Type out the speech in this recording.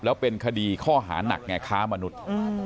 แล้วเป็นคดีข้อหานักไงค้ามนุษย์